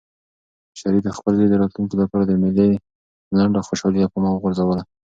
شریف د خپل زوی د راتلونکي لپاره د مېلې لنډه خوشحالي له پامه وغورځوله.